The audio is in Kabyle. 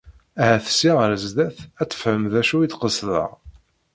Ahat ssya ɣer zdat ad tefhem d acu i d-qesdeɣ.